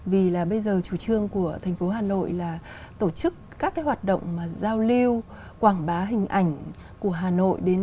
vì là bây giờ chủ trương của thành phố hà nội là tổ chức các cái hoạt động mà giao lưu quảng bá hình ảnh của hà nội đến với bạn bè quốc tế